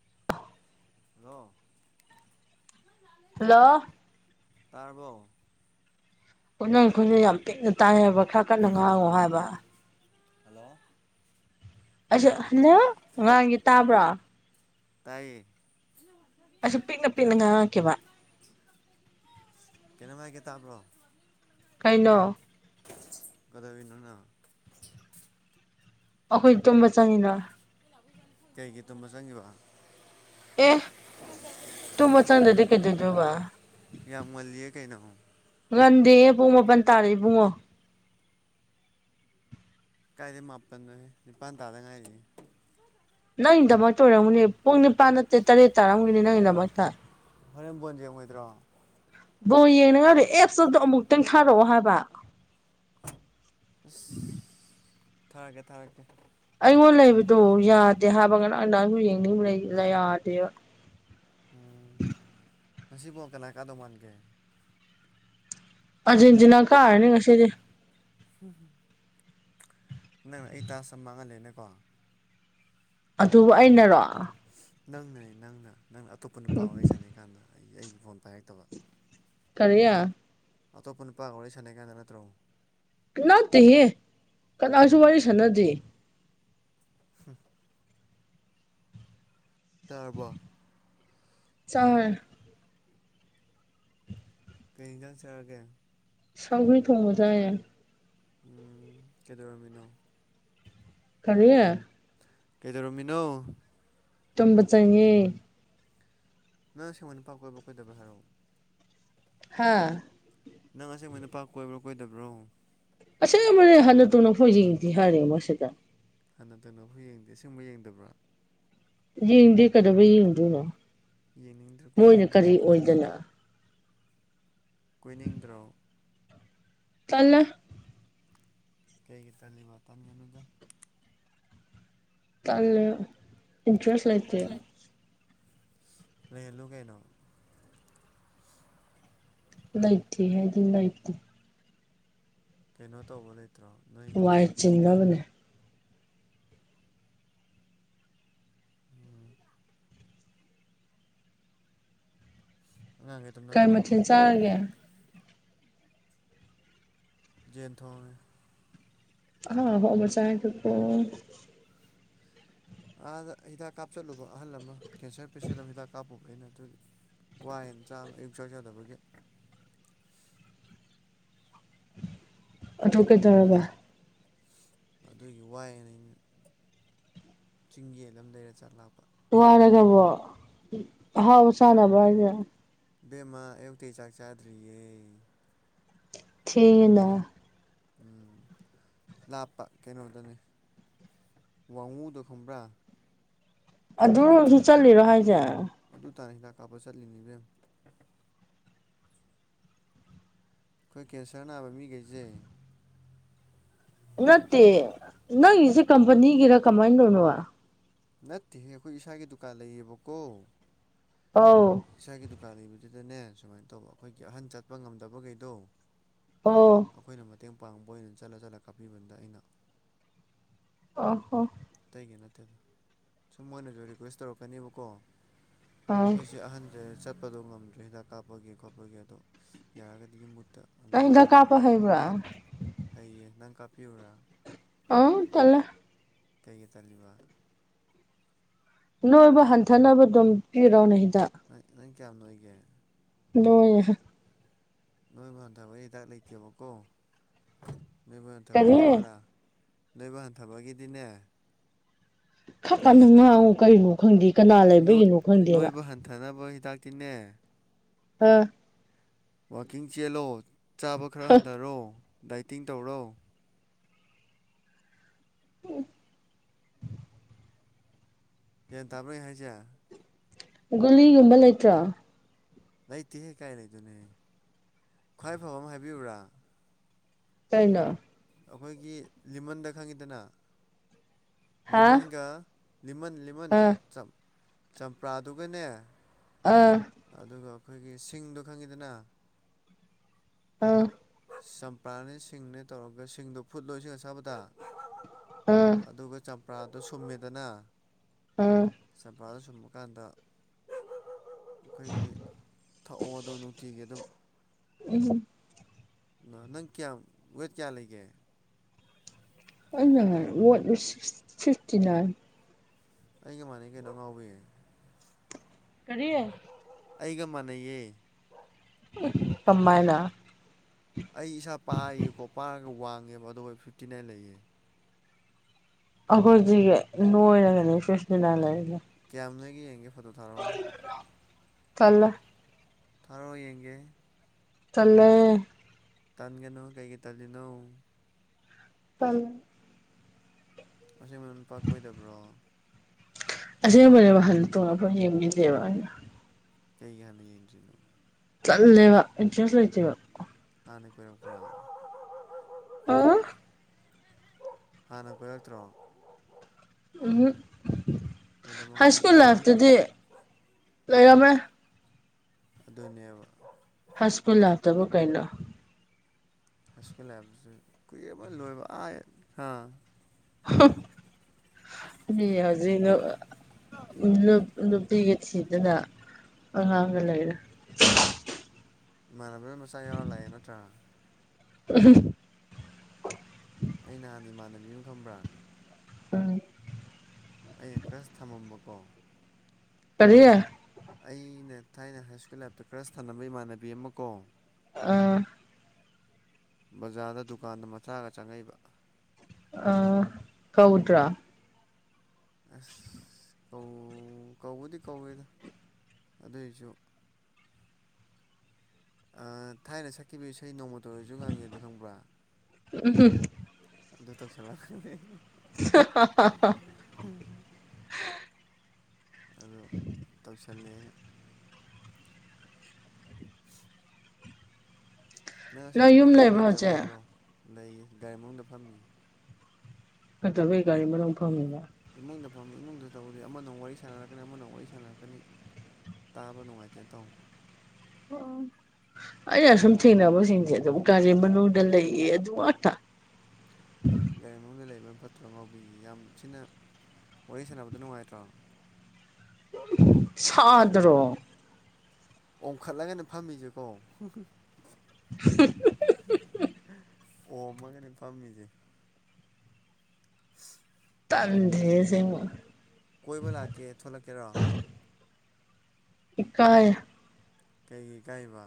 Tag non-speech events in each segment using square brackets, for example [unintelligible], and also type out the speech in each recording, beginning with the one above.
[inaudible] Hello hello ꯇꯔꯕꯣ꯫ ꯈꯨꯅꯪ ꯈꯨꯟꯗꯨ ꯌꯥꯝ ꯄꯤꯛꯅ ꯇꯥꯏꯌꯦꯕ ꯈꯔ ꯀꯟꯅ ꯉꯥꯡꯉꯣ ꯍꯥꯏꯕ ꯍꯜꯂꯣ꯫ ꯑꯩꯁꯨ ꯍꯟꯗꯛ ꯑꯉꯥꯡꯒꯤ ꯇꯥꯕ꯭ꯔꯣ ꯇꯥꯏꯌꯦ꯫ ꯑꯩꯁꯨ ꯄꯤꯛꯅ ꯄꯤꯛꯅ ꯉꯥꯡꯉꯛꯈꯤꯕ ꯀꯩꯅꯃꯥꯏꯒꯦ ꯇꯥꯕ꯭ꯔꯣ ꯀꯩꯅꯣ ꯀꯩꯗꯧꯔꯤꯅꯣ ꯅꯪꯅ꯫ ꯑꯩꯈꯣꯏ ꯇꯨꯝꯕ ꯆꯪꯉꯤꯅ ꯀꯩꯒꯤ ꯇꯨꯝꯕ ꯆꯪꯉꯤꯕ ꯑꯦ ꯇꯨꯝꯕ ꯆꯪꯗꯗꯤ ꯀꯩꯗꯗꯨꯕ ꯌꯥꯝ ꯉꯥꯜꯂꯤꯌꯦ ꯀꯩꯅꯣ꯫ ꯉꯟꯗꯦꯍꯦ ꯄꯨꯡ ꯃꯥꯄꯟ ꯇꯥꯔꯦ ꯏꯕꯨꯡꯉꯣ ꯀꯥꯏꯗꯩ ꯃꯥꯄꯟꯅꯣꯍꯦ ꯅꯤꯄꯥꯟ ꯇꯥꯗ ꯉꯥꯏꯔꯤ ꯅꯪꯒꯤꯗꯃꯛꯇ ꯑꯣꯏꯔꯝꯒꯅꯤ ꯄꯨꯡ ꯅꯤꯄꯥꯟ ꯅꯠꯇꯦ ꯇꯔꯦꯠ ꯇꯥꯔꯝꯒꯅꯤ ꯅꯪꯒꯤꯗꯃꯛꯇ꯫ ꯍꯣꯔꯦꯟ ꯕꯣꯟ ꯌꯦꯡꯉꯣꯏꯗ꯭ꯔꯣ ꯕꯣꯜ ꯌꯦꯡꯅꯤꯡꯉꯥꯏ ꯑꯦꯞꯁꯇꯣ ꯑꯗꯨ ꯑꯃꯨꯛꯇꯪ ꯊꯥꯔꯛꯑꯣ ꯍꯥꯏꯕ꯫ ꯊꯥꯔꯛꯀꯦ ꯊꯥꯔꯛꯀꯦ꯫ ꯑꯩꯉꯣꯟ ꯂꯩꯕꯗꯣ ꯌꯥꯗꯦ ꯍꯥꯏꯕ ꯑꯩꯁꯨ ꯌꯦꯡꯅꯤꯡꯕ ꯌꯥꯗꯦꯕ ꯎꯝ꯫ ꯉꯥꯁꯤ ꯕꫭꯜ ꯀꯅꯥ ꯀꯥꯗꯧ ꯃꯥꯟꯒꯦ ꯑꯥꯔꯖꯦꯟꯇꯤꯅꯥ ꯀꯥꯔꯅꯤ ꯉꯁꯤꯗꯤ ꯅꯪ ꯑꯩ ꯇꯥꯁ ꯑꯃ ꯃꯥꯡꯍꯜꯂꯦꯅꯤꯀꯣ꯫ ꯑꯗꯨꯕꯨ ꯑꯩꯅꯔꯣ ꯅꯪꯅ ꯅꯪꯅ ꯅꯪꯅ ꯑꯇꯣꯞꯄ ꯅꯨꯄꯥ ꯋꯥꯔꯤ ꯁꯥꯟꯅꯩ ꯀꯥꯟꯗ ꯑꯩ ꯑꯩꯒꯤ ꯐꯣꯟ ꯄꯥꯏꯔꯛꯇꯕ ꯀꯔꯤꯌꯥ꯫ ꯑꯇꯣꯞꯄ ꯅꯨꯄꯥ ꯋꯥꯔꯤ ꯁꯥꯟꯅꯩ ꯀꯥꯟꯗ ꯅꯠꯇ꯭ꯔꯣ ꯅꯠꯇꯦꯍꯦ ꯀꯅꯥꯁꯨ ꯋꯥꯔꯤ ꯁꯥꯟꯅꯗꯦ ꯍꯝ ꯇꯔꯕꯣ꯫ ꯆꯥꯔꯦ ꯀꯩ ꯑꯦꯟꯖꯥꯡ ꯆꯔꯒꯦ ꯁꯥꯎꯒ꯭ꯔꯤ ꯊꯣꯡꯕ ꯆꯥꯌꯦ꯫ ꯎꯝ ꯀꯩꯗꯧꯔꯝꯃꯤꯅꯣ꯫ ꯀꯥꯔꯤ ꯀꯩꯗꯧꯔꯝꯃꯤꯅꯣ ꯇꯨꯝꯕ ꯆꯪꯉꯦ꯫ ꯅꯪ ꯑꯁꯦꯡꯕ ꯅꯨꯄꯥ ꯀꯣꯏꯕ ꯀꯣꯏꯗꯕꯔꯥ ꯍꯥꯏꯔ‌ꯣ ꯍꯥꯥ꯫ ꯅꯪ ꯑꯁꯦꯡꯕꯣꯏ ꯅꯨꯄꯥ ꯀꯣꯏꯕ꯭ꯔꯥ ꯀꯣꯏꯗꯕ꯭ꯔꯣ ꯑꯁꯦꯡ ꯑꯃꯅꯦ ꯍꯟꯅ ꯇꯨꯅꯐꯥꯎ ꯌꯦꯡꯗꯤ ꯍꯥꯏꯔꯦ ꯃꯁꯤ ꯁꯤꯗ꯫ ꯍꯟꯅ ꯇꯨꯟꯅ ꯍꯣꯏ ꯌꯦꯡꯗꯦ ꯌꯦꯡꯗꯕ꯭ꯔꯥ ꯌꯦꯡꯗꯦ ꯀꯩꯗꯧꯕ ꯌꯦꯡꯗꯣꯏꯅꯣ ꯌꯦꯡꯅꯤꯡꯗ꯭ꯔꯣ ꯃꯣꯏꯅ ꯀꯣꯏꯅꯤꯡꯗ꯭ꯔꯣ ꯀꯔꯤ ꯑꯣꯏꯗꯅ꯫ ꯀꯨꯏꯅꯤꯡꯗ꯭ꯔꯣ ꯇꯥꯜꯂꯦ꯫ ꯀꯩꯒꯤ ꯇꯜꯂꯤꯕꯥ ꯇꯟꯒꯅꯨꯗꯥ ꯇꯜꯂꯤ ꯏꯟꯇꯔꯦꯁ ꯂꯩꯇꯦ ꯂꯩꯍꯜꯂꯨ ꯀꯩꯅꫭ ꯂꯩꯇꯦ ꯍꯥꯏꯗꯤ ꯂꯩꯇꯦ꯫ ꯀꯩꯅꯣ ꯇꯧꯕ ꯂꯩꯇ꯭ꯔꯣ ꯅꯣꯏꯒꯤ꯫ ꯆꯤꯡꯅꯕꯅꯦ ꯎꯝ꯫ ꯍꯪꯥꯡꯉꯦ ꯀꯥꯏ ꯃꯊꯦꯜ ꯆꯥꯔꯒꯦ ꯌꯦꯟ ꯊꯣꯡꯉꯦ꯫ ꯍꯥꯥ ꯍ ꯃꯆꯥꯥꯏꯑ ꯇꯀꯣ ꯑꯥꯗ ꯍꯤꯗꯥꯛ ꯀꯥꯞꯆꯜꯂꯨꯕ ꯑꯍꯜ ꯑꯃ ꯀꯦꯟꯁꯔ ꯄꯦꯁꯦꯟ ꯑꯃ ꯍꯤꯗꯥꯛ ꯀꯥꯞꯄꯨꯕ ꯑꯩꯅ ꯑꯗꯨꯒꯤ ꯋꯥꯏꯟ ꯆꯥꯝꯃ ꯑꯌꯨꯛ ꯆꯥꯛ ꯆꯗꯕꯒꯤ꯫ ꯑꯗꯨ ꯀꯩꯗꯧꯔꯕ ꯑꯗꯨꯒꯤ ꯋꯥꯏꯅꯤ ꯑꯩꯅ ꯆꯤꯡꯒꯤ ꯌꯝ ꯂꯩꯔ ꯆꯠ ꯂꯥꯛꯄ ꯋꯥꯔꯒꯕꯣ ꯑꯍꯥꯎ ꯆꯥꯅꯕꯔꫭ ꯍꯥꯏꯁꯦ ꯏꯕꯦꯝꯃ ꯑꯌꯨꯛꯇꯩ ꯆꯥꯛ ꯆꯥꯗ꯭ꯔꯤꯌꯦ꯫ ꯊꯦꯡꯉꯤꯅꯥ ꯎꯝ ꯂꯥꯞꯄ ꯀꯩꯅꯣꯗꯅꯦ ꯋꯥꯡꯉꯨꯗꯨ ꯈꯪꯕ꯭ꯔꯥ꯫ ꯑꯗꯨꯔꯣꯝꯁꯨ ꯆꯠꯂꯤꯔꯣ ꯍꯥꯏꯁꯦ꯫ ꯑꯗꯨ ꯇꯥꯅ ꯍꯤꯗꯥꯛ ꯀꯥꯞꯄ ꯆꯠꯂꯤꯅꯤꯅꯦ꯫ ꯑꯩꯈꯣꯏ ꯀꯦꯟꯁꯔ ꯅꯥꯕ ꯃꯤꯈꯩꯁꯦ꯫ ꯅꯠꯇꯦ ꯅꯪꯆꯦ ꯀꯝꯄꯅꯤꯒꯤꯔ ꯀꯃꯥꯏꯅ ꯅꯣꯕꯥ꯫ ꯅꯠꯇꯦꯍꯦ ꯑꯩꯈꯣꯏ ꯏꯁꯥꯒꯤ ꯗꯨꯀꯥꯟ ꯂꯩꯌꯦꯕꯀꯣ ꯑꯥꯎ ꯏꯁꯥꯒꯤ ꯗꯨꯀꯥꯟ ꯂꯩꯕꯗꯨꯗꯅꯦ ꯁꯨꯃꯥꯏꯅ ꯇꯧꯕ ꯑꯩꯈꯣꯏꯒꯤ ꯑꯍꯟ ꯆꯠꯄ ꯉꯝꯗꯕꯈꯩꯗꯣ ꯑꯣ ꯑꯩꯈꯣꯏꯅ ꯃꯇꯦꯡ ꯄꯥꯡꯕ ꯑꯣꯏꯅ ꯆꯠꯂ ꯆꯠꯂ ꯀꯥꯞꯄꯤꯕꯗ ꯑꯩꯅ꯫ ꯑ ꯍꯣ ꯑꯩꯇꯩꯒꯤ ꯅꯠꯇꯦꯗ ꯁꯨꯝꯣꯏꯅꯁꯨ ꯔꯤꯀ꯭ꯋꯦꯁ ꯇꯧꯔꯛꯀꯅꯦꯕꯀꯣ ꯑꯥ ꯑꯩꯈꯣꯏꯁꯦ ꯑꯍꯟꯗ ꯆꯠꯄꯗꯣ ꯉꯝꯗ꯭ꯔꯦ ꯍꯤꯗꯥꯛ ꯀꯥꯞꯄꯒꯤ ꯈꯣꯠꯄꯒꯤ ꯑꯗꯣ ꯌꯥꯔꯒꯗꯤ ꯃꯨꯠꯇ ꯑ ꯅꯪ ꯍꯤꯗꯥꯛ ꯑꯋꯥꯃꯟꯅ ꯀꯥꯞꯄ ꯍꯩꯕ꯭ꯔꯥ ꯍꯩꯌꯦ ꯅꯪ ꯀꯥꯞꯄꯤꯔꯨꯔꯥ꯫ ꯑꯥꯎ ꯇꯜꯂꯦ ꯀꯩꯒꯤ ꯇꯜꯂꯤꯕ ꯅꯣꯏꯕꯨ ꯍꯟꯊꯅꯕ ꯑꯗꯨꯝ ꯄꯤꯔꯣꯅꯦ ꯍꯤꯗꯥꯛ ꯍꯣꯏ ꯅꯪ ꯀꯌꯥꯝ ꯂꯣꯏꯒꯦ ꯂꯣꯏꯔꯦꯍꯦ ꯅꯣꯏꯕꯨ ꯍꯟꯊꯕꯩ ꯍꯤꯗꯥꯛ ꯂꯩꯇꯦꯕꯀꯣ ꯅꯣꯏꯕꯨ ꯍꯟꯊꯕꯩ ꯀꯔꯤ ꯍꯥꯏꯔꯧꯔꯥ꯫ ꯅꯣꯏꯕ ꯍꯟꯊꯕꯒꯤꯗꯤꯅꯦ꯫ ꯈꯔ ꯀꯟꯅ ꯉꯥꯡꯉꯨ ꯀꯔꯤꯅꯣ ꯈꯪꯗꯦ ꯀꯅꯥ ꯅꯣꯏ ꯂꯩꯕꯒꯤꯅꯣ ꯈꯪꯗꯦꯕ ꯅꯣꯏꯕ ꯍꯟꯊꯅꯕ ꯍꯤꯗꯥꯛ ꯇꯤꯅꯦ ꯑꯥ ꯋꯥꯛꯀꯤꯡ ꯆꯦꯜꯂꯣ ꯆꯥꯕ ꯈꯔ ꯍ ꯍꯟꯊꯔꯣ ꯗꯥꯏꯇꯤꯡ ꯇꯧꯔꯣ ꯎꯝ ꯒ꯭ꯌꯥꯟ ꯇꯥꯕ꯭ꯔꯥ ꯑꯩ ꯍꯥꯏꯁꯦ ꯒꯨꯂꯤꯒꯨꯝꯕ ꯂꯩꯇ꯭ꯔꯣ ꯂꯩꯇꯦꯍ ꯀꯥꯏ ꯂꯩꯗꯣꯏꯅꯣ ꯍꯦ ꯈ꯭ꯋꯥꯏ ꯐꯕ ꯑꯃ ꯍꯥꯏꯕꯤꯌꯨꯔꯥ ꯀꯥꯏꯅꯣ ꯑꯩꯈꯣꯏꯒꯤ ꯂꯤꯃꯟꯗ ꯈꯪꯉꯤꯗꯅ ꯍꯥ ꯂꯤꯃꯟꯒ ꯂꯤꯃꯟ ꯂꯤꯃꯟ ꯑꯥ ꯆꯝꯄ꯭ꯔꯥꯗꯨꯒꯅꯦ ꯑꯥ ꯑꯗꯨꯒ ꯑꯩꯈꯣꯏꯒꯤ ꯁꯤꯡꯗꯣ ꯈꯪꯉꯤꯗꯅ ꯑꯥ ꯄ꯭ꯔꯥꯅꯦ ꯁꯤꯡꯅꯦ ꯇꯧꯔꯒ ꯁꯤꯡꯗꯣ ꯐꯨꯠ ꯂꯣꯏ ꯁꯤꯡ ꯑꯁꯥꯕꯗ ꯑꯥ ꯑꯗꯨꯒ ꯆꯝꯄ꯭ꯔꯥꯗꯣ ꯁꯨꯝꯃꯦꯗꯅ ꯑꯥ ꯆꯝꯄ꯭ꯔꯥꯗꯨ ꯁꯨꯝꯕꯀꯥꯟꯗ ꯑꯩꯈꯣꯏꯒꯤ ꯊꯛꯑꯣꯗꯣ ꯅꯨꯡꯇꯤꯒꯤ ꯑꯗꯨꯝ ꯎꯝ ꯏꯃꯥ ꯅꯪ ꯀꯌꯥ ꯋꯦꯠ ꯀꯌꯥ ꯂꯩꯒꯦ ꯑꯩꯅꯅꯦ ꯋꯦꯠ ꯁꯤꯁ ꯐꯤꯐꯇꯤ ꯅꯥꯏꯟ ꯑꯩꯒ ꯃꯥꯟꯅꯩ ꯀꯩꯅꯣ ꯑꯉꯥꯎꯕꯤ ꯀꯔꯤ ꯑꯩꯒ ꯃꯥꯟꯅꯩꯌꯦ ꯎ ꯀꯃꯥꯏꯅ ꯑꯩ ꯏꯁꯥ ꯄꯥꯌꯦꯀꯣ ꯄꯥꯔꯒ ꯋꯥꯡꯉꯦꯕ ꯑꯗꯨꯒ ꯑꯩ ꯐꯤꯞꯇꯤ ꯅꯥꯏꯟ ꯂꯩꯌꯦ ꯑꯩꯈꯣꯏꯁꯤ ꯂꯣꯏꯔꯒꯅꯦ ꯁꯨꯁꯃꯤꯅꯥ ꯂꯩꯔꯤꯒ ꯀꯌꯥꯝꯅꯣꯏꯒꯦ ꯌꯦꯡꯒꯦ ꯐꯣꯇꯣ ꯊꯥꯔꯛꯑꯣꯅꯦ ꯇꯜꯂꯦ ꯊꯥꯔꯛꯑꯣ ꯌꯦꯡꯒꯦ ꯇꯜꯂꯦ ꯇꯟꯒꯅꯨ ꯀꯩꯀꯩ ꯇꯜꯂꯤꯅꯣ ꯇꯜꯂꯦ ꯑꯁꯦꯡꯕ ꯅꯨꯄꯥ ꯀꯣꯏꯗꯕ꯭ꯔꯣ ꯑꯁꯦꯡꯕꯅꯦ ꯋꯥ ꯍꯟ ꯇꯣꯡꯉꯕ ꯌꯦꯡꯃꯤꯁꯦꯕ ꯑꯩꯅ ꯀꯩꯒꯤ ꯍꯥꯟꯅ ꯌꯦꯡꯗ꯭ꯔꯤꯅꯣ ꯇꯜꯂꯦꯕ ꯏꯟꯇ꯭ꯔꯦꯁ ꯂꯩꯇꯦꯕ ꯍꯅꯤꯄꯔ ꯀꯂ ꯑꯣ ꯍꯥꯟꯅ ꯀꯣꯏꯔꯛꯇ꯭ꯔꯣ ꯎꯍꯝ ꯃꯤꯅꯤꯠ ꯍꯥꯏꯁꯀꯨꯜ ꯃꯉꯥꯡꯒꯤꯗ ꯂꯥꯏꯐꯇꯗꯤ ꯂꯩꯔꯝꯃꯦ ꯑꯗꯨꯅꯦꯕ ꯍꯥꯏꯁꯀꯨꯜ ꯂꯥꯏꯞꯇꯕꯣ ꯀꯩꯅꯣ ꯍꯥꯏꯁꯀꯨꯜ ꯂꯥꯏꯞꯁꯨ ꯀꯨꯏꯔꯦꯕ ꯂꯣꯏꯕ ꯑꯥ ꯍꯥ [unintelligible] ꯃꯤ ꯍꯧꯖꯤꯅ ꯅꯨꯞ ꯅꯨꯄꯤꯒ ꯊꯤꯗꯅ ꯑꯉꯥꯡꯒ ꯂꯩꯔꯦ ꯏꯃꯥꯟꯅꯕ ꯂ ꯃꯆꯥ ꯌꯥꯎꯔ ꯂꯥꯛꯑꯦ ꯅꯠꯇ꯭ꯔꯥ [unintelligible] ꯑꯩ ꯅꯍꯥꯟ ꯏꯃꯥꯟꯅꯕꯤ ꯑꯃ ꯈꯪꯕ꯭ꯔꯥ ꯎꯝ ꯑꯩꯅ ꯀ꯭ꯔꯁ ꯊꯝꯃꯝꯕꯀꯣ ꯀꯔꯤ ꯑꯩꯅ ꯊꯥꯏꯅ ꯍꯥꯏ ꯁ꯭ꯀꯨꯜ ꯂꯥꯏꯞꯇ ꯀ꯭ꯔꯁ ꯊꯅꯝꯕ ꯏꯃꯥꯟꯅꯕꯤ ꯑꯃ ꯀꯣ ꯑꯥ ꯕꯖꯥꯔꯗ ꯗꯨꯀꯥꯟꯗ ꯃꯆꯥꯒ ꯆꯪꯉꯛꯏꯕ ꯑ ꯀꯧꯗ꯭ꯔꯣ ꯑꯁ ꯀꯧ ꯀꯧꯕꯨꯗꯤ ꯀꯧꯋꯦꯗ ꯑꯗꯨꯏꯁꯨ ꯑꯥ ꯊꯥꯏꯅ ꯁꯛꯈꯤꯕ ꯏꯁꯩ ꯅꯣꯡꯃꯇ ꯑꯣꯏꯔꯁꯨ ꯉꯥꯡꯉꯦꯗꯣ ꯈꯪꯕ꯭ꯔꯥ ꯑꯗꯨ ꯇꯧꯁꯜꯂꯛ [unintelligible] [unintelligible] ꯎꯝ ꯑꯗꯨ ꯇꯧꯁꯜꯂꯦ ꯑꯩꯅ ꯅꯪ ꯑꯁꯦꯡꯕ ꯌꯨꯝ ꯀꯣꯏꯅꯕ ꯂꯩꯕ꯭ꯔꯣ ꯂꯩꯇꯕ꯭ꯔ ꯍꯧꯖꯤꯛ ꯍꯥꯏꯔꯣ ꯂꯩꯌꯦ ꯒꯥꯔꯤ ꯃꯅꯨꯡꯗ ꯐꯝꯃꯤꯌꯦ ꯐꯠꯇꯕꯒꯤ ꯒꯥꯔꯤ ꯃꯅꯨꯡ ꯐꯝꯃꯤꯕ ꯏꯃꯨꯡꯗ ꯐꯝꯕ ꯏꯃꯨꯡꯗ ꯇꯧꯕꯗꯤ ꯑꯃꯅ ꯃꯨꯛ ꯋꯥꯔꯤ ꯁꯥꯟꯅꯔꯛꯀꯅꯤ ꯑꯃꯅ ꯃꯨꯛ ꯋꯥꯔꯤ ꯁꯥꯟꯅꯔꯛꯀꯅꯤ ꯇꯥꯕ ꯅꯨꯡꯉꯥꯏꯇꯦ ꯇꯧ ꯑꯣ ꯑꯩꯅꯁꯨꯝ ꯊꯦꯡꯅꯕꯁꯤꯡꯁꯦ ꯑꯗꯨꯝ ꯒꯥꯔꯤ ꯃꯅꯨꯡꯗ ꯂꯩꯌꯦ ꯑꯗꯨ ꯉꯥꯛꯇ [unintelligible] ꯒꯥꯔꯤ ꯃꯅꯨꯡꯗ ꯂꯩꯕꯅ ꯐꯠꯇ꯭ꯔꯣ ꯉꯥꯎꯕꯤ ꯌꯥꯝ ꯊꯤꯅ ꯋꯥꯔꯤ ꯁꯥꯟꯅꯕꯗ ꯅꯨꯡꯉꯥꯏꯇ꯭ꯔꯣ ꯁꯥꯗ꯭ꯔꯣ ꯑꯣꯡꯈꯠꯂꯒꯅꯦ ꯐꯝꯃꯤꯁꯦꯀꯣ ꯑꯣꯝꯃꯒꯅꯦ ꯐꯝꯃꯤꯖꯦ ꯇꯥꯅꯤꯡꯗꯦꯍꯦ ꯑꯁꯦꯡꯕ ꯀꯣꯏꯕ ꯂꯥꯛꯀꯦ ꯊꯣꯛꯂꯛꯀꯦꯔꯣ ꯏꯀꯥꯏ ꯀꯩꯒꯤ ꯏꯀꯥꯏꯕ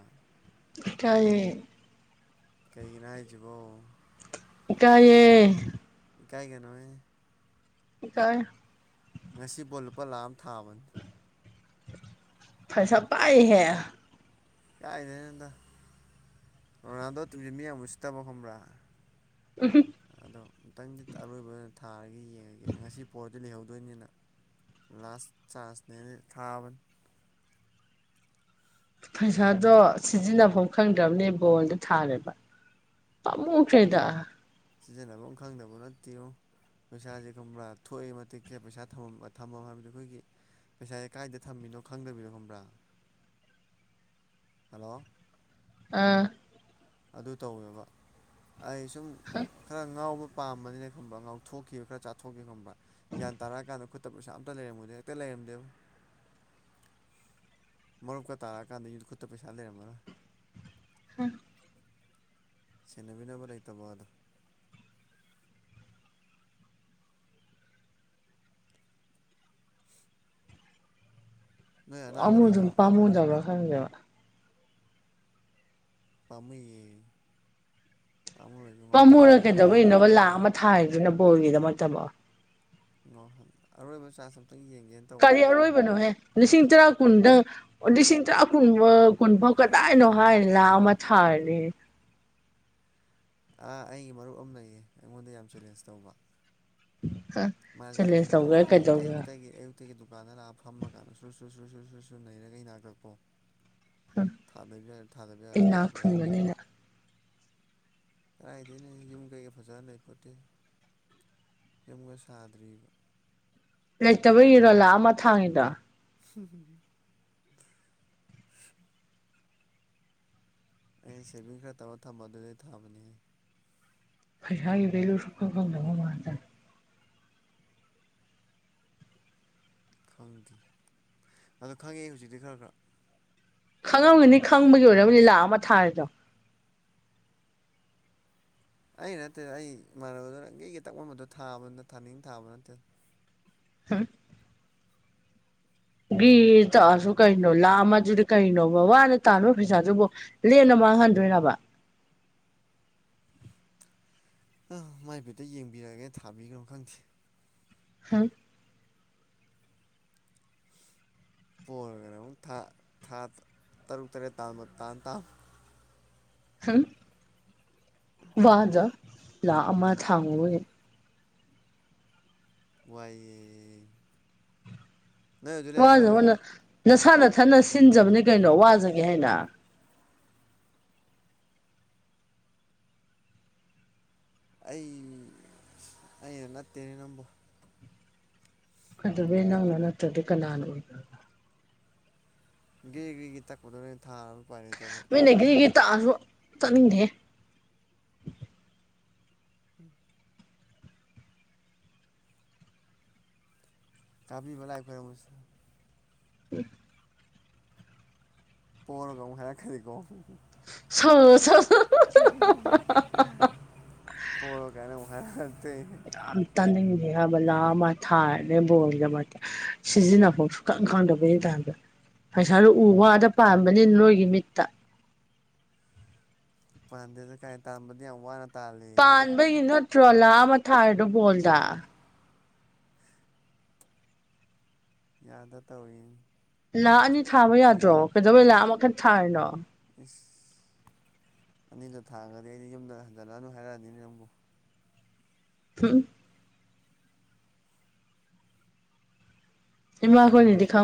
ꯀꯥꯏꯌꯦ ꯀꯩꯒꯤꯅꯣ ꯍꯥꯏꯁꯤꯕꯣ ꯏꯀꯥꯌꯦ ꯏꯀꯥꯏ ꯒꯅꯣꯍꯦ ꯏꯀꯥꯏ ꯉꯁꯤ ꯕꯣꯜ ꯂꯨꯄꯥ ꯂꯥꯛ ꯑꯃ ꯊꯥꯕꯅꯤ ꯄꯩꯁꯥ ꯄꯥꯏꯍꯦ ꯀꯥꯏꯗꯩꯩꯅꯣꯗ ꯔꯣꯅꯥꯜꯗꯣ ꯇꯤꯝꯖꯦ ꯃꯤ ꯌꯥꯝ ꯎꯁꯤꯠꯇꯕ ꯈꯪꯕ꯭ꯔꯥ ꯎꯝꯍꯨꯝ ꯑꯗꯣ ꯑꯃꯨꯇꯪꯗꯤ ꯑꯔꯣꯏꯕ ꯑꯣꯏꯅ ꯊꯥꯔꯒꯦ ꯌꯦꯡꯉꯒꯦ ꯉꯁꯤ ꯄꯣꯠ ꯗꯤ ꯂꯩꯍꯧꯗꯣꯏꯅꯤꯅ ꯂꯥꯁ ꯆꯥꯟꯁꯅꯦꯅ ꯊꯥꯕꯅꯤ ꯄꯩꯁꯥꯗꯣ ꯁꯤꯖꯤꯟꯅꯐꯝ ꯈꯪꯗ꯭ꯔꯕꯅꯦ ꯕꯣꯜꯗꯣ ꯊꯥꯔꯦꯕ ꯄꯥꯃꯨꯈ꯭ꯔꯦꯗ ꯁꯤꯖꯤꯟꯅꯐꯝ ꯈꯪꯗꯕ ꯅꯠꯇꯦꯉꯣ ꯄꯩꯁꯥꯁꯦ ꯈꯪꯕ꯭ꯔꯥ ꯊꯣꯛꯏ ꯃꯇꯤꯛꯁꯦ ꯄꯩꯁꯥ ꯊꯝꯃ ꯍꯥꯏꯕꯗꯤ ꯑꯩꯈꯣꯏꯒꯤ ꯄꯩꯁꯥꯥꯁꯦ ꯀꯥꯏꯗ ꯊꯝꯃꯤꯅꯣ ꯈꯪꯗꯕꯤꯗꯣ ꯈꯪꯕ꯭ꯔꯥ ꯍꯜꯂꯣ ꯑꯥ ꯑꯗꯨ ꯇꯧꯋꯦꯕ ꯑꯩ ꯁꯨꯝ ꯈꯔ ꯉꯥꯎꯕ ꯄꯥꯝꯕꯅꯤꯅ ꯈꯪꯕ ꯉꯥꯎꯊꯣꯛꯈꯤ ꯈꯔ ꯆꯥꯊꯣꯛꯈꯤ ꯈꯪꯕ ꯌꯥ꯭ꯟ ꯇꯔꯛꯑꯀꯥꯟꯗ ꯈꯨꯠꯇ ꯄꯩꯁꯥ ꯑꯝꯇ ꯂꯩꯔꯝꯃꯨꯗꯦ ꯍꯦꯛꯇ ꯂꯩꯔꯝꯗꯦꯕ [inaudible] ꯃꯔꯨꯞꯀ ꯇꯥꯔꯥ ꯀꯥꯟꯗ ꯈꯨꯠꯇ ꯄꯩꯁꯥ ꯂꯩꯔꯝꯃꯔꯣꯏ ꯑꯝ ꯁꯦꯟꯅꯕꯤꯅꯕ ꯂꯩꯇꯕ ꯑꯗꯣ [inaudible] ꯅꯣꯏ ꯑꯅꯥꯕ ꯑꯃꯨ ꯑꯗꯨꯝ ꯂꯩꯇ꯭ꯔꯣ ꯄꯥꯝꯃꯨꯗꯕ ꯈꯪꯗꯦꯕ ꯄꯥꯝꯃꯨꯏꯌꯦ ꯄꯥꯝꯃꯨꯔ ꯄꯥꯝꯃꯨꯔ ꯀꯩꯗꯧꯕꯔꯤꯅꯣꯕ ꯂꯥꯛ ꯑꯃ ꯊꯥꯗꯣꯏꯅ ꯕꯣꯔꯜꯒꯤꯗꯃꯛꯇꯕ ꯉꯍꯜ ꯑꯔꯣꯏꯕ ꯆꯥꯔꯖ ꯑꯝꯇꯪ ꯌꯦꯡꯒꯦꯅ ꯀꯔꯤ ꯇꯧꯕꯅꯤꯗ ꯑꯔꯣꯏꯕꯅꯣꯍꯦ ꯂꯤꯁꯤꯡ ꯇꯔꯥ ꯀꯨꯟꯗꯪ ꯑꯣ ꯂꯤꯁꯤꯡ ꯇꯔꯥ ꯀꯨꯟ ꯀꯨꯟꯐꯥꯎ ꯀꯗꯥꯏꯅꯣ ꯍꯥꯏ ꯂꯥ ꯑꯃ ꯊꯥꯍꯜꯂꯦꯌꯦ ꯑ ꯑꯩꯒꯤ ꯃꯔꯨꯞ ꯑꯃ ꯂꯩꯌꯦ ꯑꯩꯉꯣꯟꯗ ꯌꯥꯝ ꯆꯦꯂꯦꯟꯖ ꯇꯧꯕ ꯑ ꯃꯥꯜꯖꯦ ꯑ ꯑꯌꯨꯛꯇꯒꯤ ꯑꯌꯨꯛꯇ ꯑꯦꯛꯒꯤ ꯗꯨꯀꯥꯟꯗ ꯂꯥꯛꯑ ꯐꯃ ꯀꯥꯟꯗ ꯁ ꯁ ꯁ ꯁ ꯅꯩꯔꯒ ꯍ ꯏꯅꯥꯛꯇ ꯀꯣ ꯥ ꯌꯥ ꯊꯥꯗꯕ ꯌꯥꯔꯣꯏ ꯏꯅꯥ ꯊꯥꯗꯕ ꯌꯥꯔꯣꯏꯅ ꯈꯨꯟꯕꯅꯤꯅ ꯀꯔꯥꯏꯗꯩꯅꯣꯍꯦ ꯌꯨꯝ ꯀꯩꯒ ꯐꯖꯅ ꯂꯩ ꯄꯣꯠꯇꯦꯗ ꯌꯨꯝꯒ ꯊꯥꯗ꯭ꯔꯤꯕ ꯂꯩꯇꯕ ꯏꯔꯣ ꯂꯥꯛꯑ ꯑꯃ ꯊꯥꯡꯉꯤꯗꯣ ꯍꯝ ꯍꯨꯝ ꯑꯩꯅ ꯁꯦꯚꯤꯡ ꯈꯔ ꯇꯧꯔ ꯊꯝꯕ ꯑꯗꯨꯗꯩ ꯊꯥꯕꯅꯦꯍꯦ ꯄꯩꯁꯥꯒꯤ ꯚꯦꯂꯨ ꯁꯨꯈꯪ ꯈꯪꯗꯕ ꯃꯥꯥꯟꯗꯅ ꯈꯪꯗꯦ ꯑꯗꯣ ꯈꯪꯉꯦ ꯍꯧꯖꯤꯛꯇꯤ ꯈꯔ ꯈꯔ ꯈꯪꯉꯝꯒꯅꯤ ꯈꯪꯕꯒꯤ ꯑꯣꯏꯔꯕꯗꯤ ꯂꯥꯛ ꯑꯃ ꯊꯥꯔꯤꯗꯣ ꯑꯩ ꯅꯠꯇꯦꯗ ꯑꯩ ꯏꯃꯥꯟꯅꯕꯗꯨ ꯅꯪ ꯀꯩꯒꯤ ꯇꯛꯂꯝꯝꯕꯗꯣ ꯊꯥꯕꯅꯤꯅ ꯊꯥꯅꯤꯡ ꯊꯥꯕ ꯅꯠꯇꯦꯅ ꯍꯥ ꯒꯔꯤ ꯇꯛꯑꯁꯨ ꯀꯩꯅꯣ ꯂꯥꯛ ꯑꯃꯗꯨꯗꯤ ꯀꯩꯅꯣꯕ ꯋꯥꯅ ꯇꯥꯟꯕ ꯄꯩꯁꯥꯗꯨꯕꯨ ꯂꯦꯝꯅ ꯃꯥꯡ ꯍꯟꯗꯣꯏ ꯔꯥꯕ ꯑꯝ ꯃꯥꯏ ꯕꯤꯠꯇ ꯌꯦꯡꯕꯤꯔꯥꯒꯦ ꯅꯥ ꯊꯥꯕꯤꯒꯔꯝ ꯈꯪꯗꯦ ꯍꯝ ꯄꫭꯔꯒꯅ ꯑꯃꯨꯛ ꯊꯥ ꯇꯔꯨꯛ ꯇꯔꯦꯠ ꯍꯝ ꯋꯥꯖ ꯂꯃ ꯁꯥꯡꯃ ꯋꯥꯏꯌꯦ ꯅ ꯍꯧꯖꯂ ꯀ ꯋꯥꯅ ꯋꯥꯅ ꯅꯁꯥ ꯅ ꯊꯅ ꯁꯤꯟꯖꯕꯅꯦ ꯀꯩꯅꯣ ꯋꯥꯖꯒꯦ ꯍꯥꯏꯅ ꯑꯩ ꯑꯩꯅ ꯅꯠꯇꯦꯅꯦ ꯅꯪꯕꯨꯣ ꯐꯗꯕ ꯏ ꯅꯪꯅ ꯅꯠꯇ꯭ꯔꯗꯤ ꯀꯅꯥꯅ ꯑꯣꯏꯕ ꯒꯤꯒꯦ ꯒꯦꯒꯤ ꯇꯛꯄꯗꯣ ꯅꯣꯏ ꯊꯥꯅꯕ ꯄꯔ ꯃꯤꯅꯘ꯭ꯔꯤꯒꯤ ꯇꯥꯛꯑꯁꯨ ꯆꯠꯅꯤꯡꯗꯦ ꯎꯝ ꯇꯥꯕꯤꯕꯂꯥꯏ ꯈꯣꯏꯔꯝꯃꯨꯁꯦ ꯎꯝ ꯄꯔꯒ ꯍꯥꯏ ꯈꯗꯤ ꯀꯣ [unintelligible] [unintelligible] ꯌꯥꯝ ꯇꯥꯅꯤꯡꯗꯦ ꯍꯥꯏꯕ ꯂꯥꯛ ꯑꯃ ꯊꯥꯔꯅꯦ ꯕꯣꯖꯕ ꯁꯤꯖꯤꯟꯅꯐꯝ ꯁꯨꯈꯪ ꯈꯪꯗꯕꯒꯤ ꯇꯥꯢꯝꯇ ꯄꯩꯁꯥꯗꯨ ꯎ ꯋꯥꯗ ꯄꯥꯟꯕꯥꯅꯤꯅꯥ ꯅꯣꯏꯒꯤ ꯃꯤꯠꯇ ꯄꯥꯟꯗꯦꯗ ꯀꯥꯏ ꯇꯥꯟꯕꯗꯤ ꯌꯥꯝ ꯋꯥꯅ ꯇꯥꯜꯂꯤ ꯍꯥꯟꯕꯒꯤ ꯅꯠꯇ꯭ꯔꯣ ꯂꯥꯛ ꯑꯃ ꯊꯥꯔꯤꯗꯣ ꯕꯣꯜꯗ ꯌꯥꯗ ꯇꯧꯔꯤꯅꯤ ꯂꯥꯛ ꯑꯅꯤ ꯊꯥꯕ ꯌꯥꯗ꯭ꯔꯣ ꯀꯩꯗꯧꯕꯩ ꯂꯥꯛ ꯑꯃ ꯈꯛꯇꯥ ꯊꯥꯔꯤꯅꯣ ꯏꯁ ꯑꯅꯤꯗꯨ ꯊꯥꯔꯒꯗꯤ ꯑꯩꯗꯤ ꯌꯨꯝꯗ ꯍꯟꯖꯤꯜꯂꯛꯑꯅꯨ ꯍꯥꯏꯔꯛꯑꯅꯤꯅꯦ ꯅꯪꯕꯨ ꯎꯝ ꯏꯃꯥꯈꯣꯏꯅꯤꯗꯤ ꯈꯡ